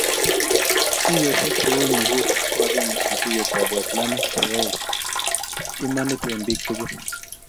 Tuiyosiek cheu muhuri ko agenge eng tuiyetab waislamiek cheyaei imanit eng bik tuguk